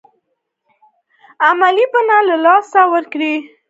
علمي بڼه له لاسه ورکړې.